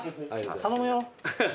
頼むよ。